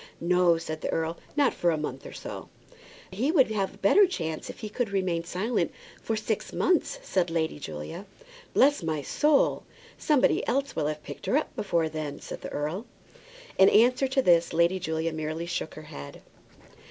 "No," said the earl; "not for a month or so." "He will have a better chance if he can remain silent for six months," said Lady Julia. "Bless my soul! somebody else will have picked her up before that," said the earl. In answer to this Lady Julia merely shook her head.